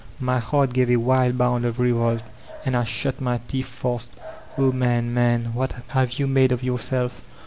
My heart gave a wild bound of revolt, and I shut my teeth fast O man, man, what have you made of your self